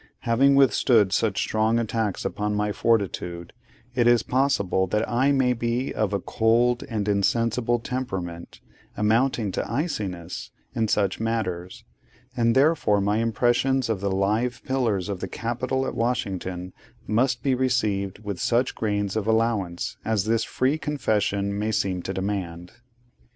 Having withstood such strong attacks upon my fortitude, it is possible that I may be of a cold and insensible temperament, amounting to iciness, in such matters; and therefore my impressions of the live pillars of the Capitol at Washington must be received with such grains of allowance as this free confession may seem to demand.